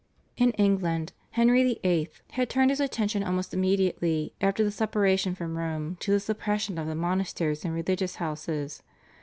In England Henry VIII. had turned his attention almost immediately after the separation from Rome to the suppression of the monasteries and religious houses.